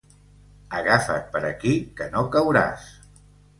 Agafa't per aquí, que no cauràs.